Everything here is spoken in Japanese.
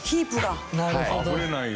なるほど。